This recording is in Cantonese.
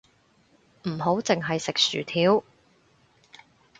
唔好淨係食薯條